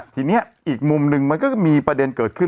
ทีนี้อีกมุมหนึ่งมันก็มีประเด็นเกิดขึ้น